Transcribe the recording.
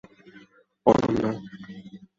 – Ananya!